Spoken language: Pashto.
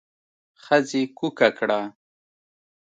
ښځې کوکه کړه.